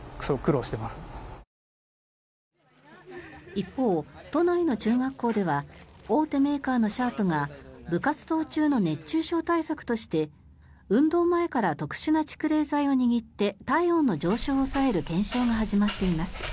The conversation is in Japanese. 一方、都内の中学校では大手メーカーのシャープが部活動中の熱中症対策として運動前から特殊な蓄冷材を握って体温の上昇を抑える検証が始まっています。